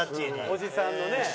おじさんのね。